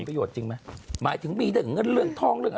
ประโยชน์จริงไหมหมายถึงปีหนึ่งง่ะอ่ะเรื่องทองเรื่อง